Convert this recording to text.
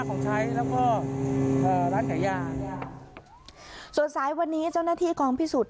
ของใช้แล้วก็เอ่อร้านขายยายาส่วนสายวันนี้เจ้าหน้าที่กองพิสูจน์